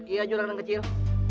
iya juragan kecil